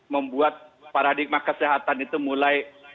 membuat paradigma kesehatan itu mulai